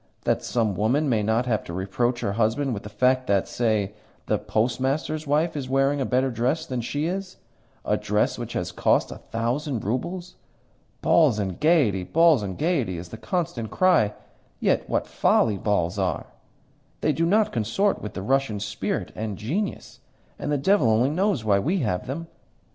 That some woman may not have to reproach her husband with the fact that, say, the Postmaster's wife is wearing a better dress than she is a dress which has cost a thousand roubles! 'Balls and gaiety, balls and gaiety' is the constant cry. Yet what folly balls are! They do not consort with the Russian spirit and genius, and the devil only knows why we have them.